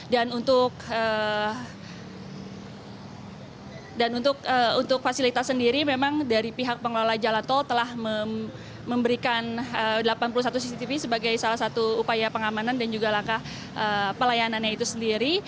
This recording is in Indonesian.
dan untuk fasilitas sendiri memang dari pihak pengelola jalan tol telah memberikan delapan puluh satu cctv sebagai salah satu upaya pengamanan dan juga langkah pelayanannya itu sendiri